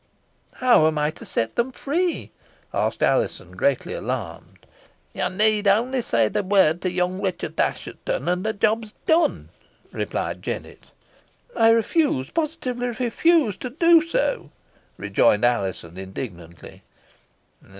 "How am I to set them free?" asked Alizon, greatly alarmed. "Yo need only say the word to young Ruchot Assheton, an the job's done," replied Jennet. "I refuse positively refuse to do so!" rejoined Alizon, indignantly.